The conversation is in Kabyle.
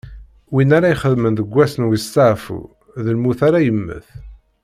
Win ara ixedmen deg wass n westeɛfu, d lmut ara yemmet.